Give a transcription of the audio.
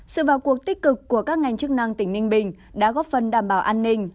sự vào cuộc tích cực của các ngành chức năng tỉnh ninh bình đã góp phần đảm bảo an ninh